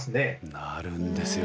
なるんですよ。